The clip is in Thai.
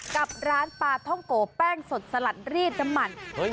กับร้านปลาท่องโกแป้งสดสลัดรีดน้ำมัน